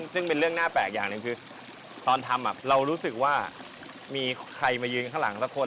ซึ่งเป็นเรื่องน่าแปลกอย่างหนึ่งคือตอนทำเรารู้สึกว่ามีใครมายืนข้างหลังสักคน